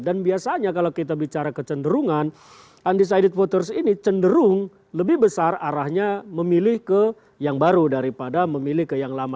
dan biasanya kalau kita bicara kecenderungan undecided voters ini cenderung lebih besar arahnya memilih ke yang baru daripada memilih ke yang lama